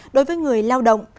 đối với người lao động